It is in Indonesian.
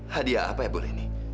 hadiah apa ya bu leni